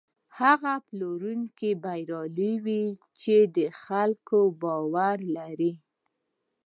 هغه پلورونکی بریالی وي چې د خلکو باور لري.